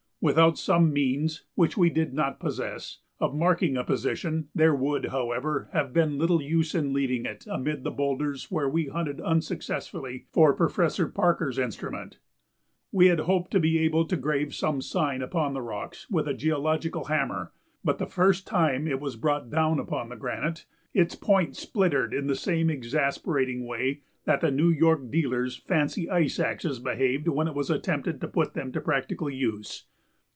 Without some means, which we did not possess, of marking a position, there would, however, have been little use in leaving it amid the boulders where we hunted unsuccessfully for Professor Parker's instrument. We had hoped to be able to grave some sign upon the rocks with the geological hammer, but the first time it was brought down upon the granite its point splintered in the same exasperating way that the New York dealer's fancy ice axes behaved when it was attempted to put them to practical use.